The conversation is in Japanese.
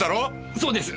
そうです。